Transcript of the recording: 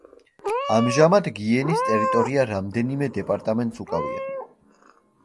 ამჟამად გიენის ტერიტორია რამდენიმე დეპარტამენტს უკავია.